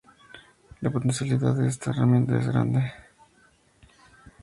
La potencialidad de esta herramienta es grande.